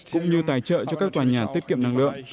cũng như tài trợ cho các tòa nhà tiết kiệm năng lượng